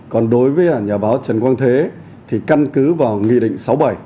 còn đối với nhà báo trần quang thế thì căn cứ vào nghị định sáu bảy